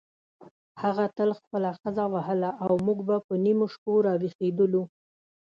هغه تل خپله ښځه وهله او موږ به په نیمو شپو راویښېدلو.